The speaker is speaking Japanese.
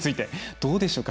どうでしょうか？